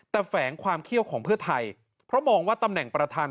แต่แฝงความเขี้ยวของเพื่อไทยเพราะมองว่าตำแหน่งประธาน